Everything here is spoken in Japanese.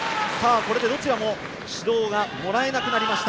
これでどちらも指導がもらえなくなりました。